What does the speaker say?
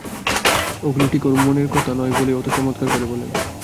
ওগুলো ঠিক ওঁর মনের কথা নয় বলেই অত চমৎকার করে বলেন।